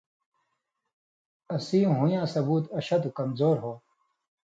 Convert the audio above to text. اسیں ہُوئن٘یاں ثُبوت اشتوۡ (کمزور) ہو